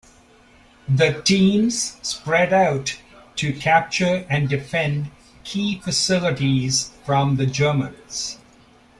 The teams spread out to capture and defend key facilities from the Germans.